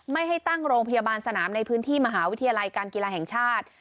ไม่ให้ตั้งโรงพยาบาลสนามในพื้นที่มหาวิทยาลัยการกีฬาแห่งชาติ